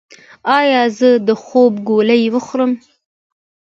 ایا زه د خوب ګولۍ وخورم؟